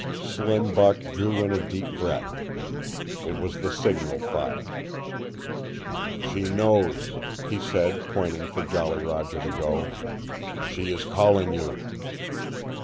Slim Buck drew in a deep breath. It was the signal fire. "She knows," he said, pointing for Jolly Roger to go. "She is calling you!"